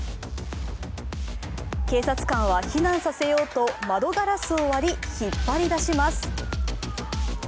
警察官は避難させようと窓ガラスを割り、引っ張り出します